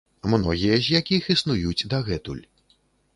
Многія з якіх існуюць дагэтуль.